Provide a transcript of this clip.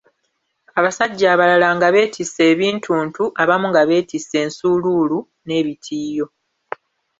Abasajja abalala nga beetisse ebintuntu, abamu nga beetisse ensuuluulu, n'ebitiiyo.